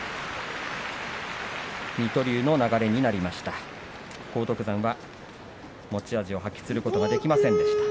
水戸龍の流れになりました。